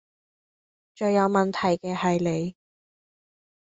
最有問題既係你